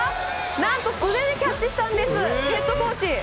何と素手でキャッチしたんですヘッドコーチ。